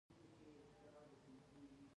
هغه اصل په راتلونکي څپرکي کې ذکر شوی دی.